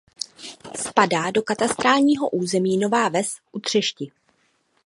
Spadá do katastrálního území Nová Ves u Třešti.